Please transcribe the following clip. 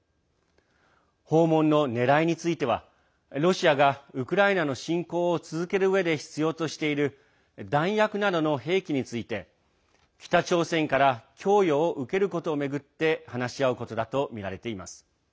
訪問のねらいについてはロシアがウクライナの侵攻を続けるうえで必要としている弾薬などの兵器について北朝鮮から供与を受けることを巡って話し合うことだとみられています。